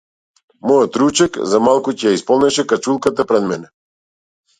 Мојот ручек, за малку ќе ја исполнеше качулката пред мене.